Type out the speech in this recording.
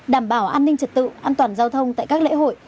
đảm bảo an ninh trật tự an toàn giao thông tại các lễ hội